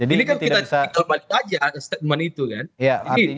ini kan kita tinggal balik aja statement itu kan